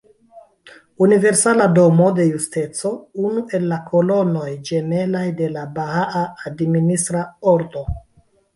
Universala Domo de Justeco: Unu el la kolonoj ĝemelaj de la Bahaa administra ordo.